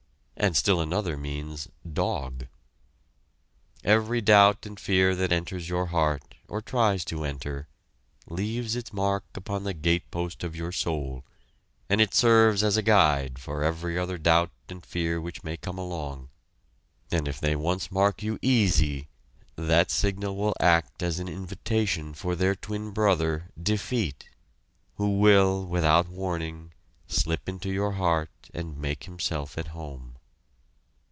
and still another means "Dog." Every doubt and fear that enters your heart, or tries to enter, leaves its mark upon the gatepost of your soul, and it serves as a guide for every other doubt and fear which may come along, and if they once mark you "Easy," that signal will act as an invitation for their twin brother "Defeat," who will, without warning, slip into your heart and make himself at home.